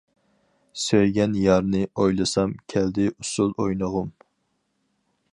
سۆيگەن يارنى ئويلىسام. كەلدى ئۇسۇل ئوينىغۇم.